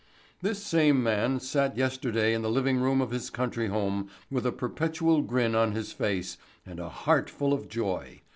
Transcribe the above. This same man sat yesterday in the living room of his country home with a perpetual grin on his face and a heartful of joy.